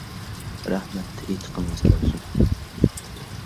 رەھمەت، ئېيتقىنىڭىز كەلسۇن.